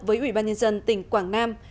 với ủy ban nhân dân tỉnh quảng nam